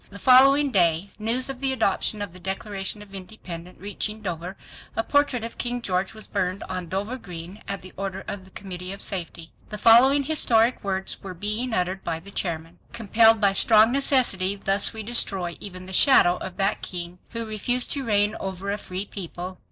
The following day news of the adoption of the Declaration of Independence reaching Dover a portrait of King George was burned on Dover Green at the order of the Committee of Safety. The following historic words being uttered by the chairman: "Compelled by strong necessity thus we destroy even the shadow of that king who refused to reign over a free people."